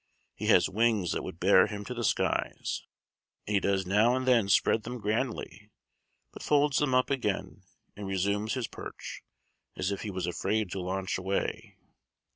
He has wings that would bear him to the skies; and he does now and then spread them grandly, but folds them up again and resumes his perch, as if he was afraid to launch away.